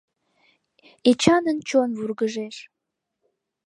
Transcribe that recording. Эчанын чон вургыжеш.